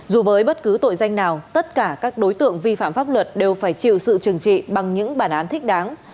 dù với bất cứ tội danh nào tất cả các đối tượng vi phạm pháp luật đều phải chịu sự trừng trị bằng những bản án thích đáng